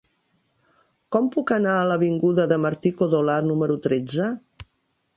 Com puc anar a l'avinguda de Martí-Codolar número tretze?